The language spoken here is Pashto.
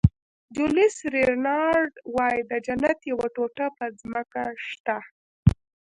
جولیس رینارډ وایي د جنت یوه ټوټه په ځمکه شته.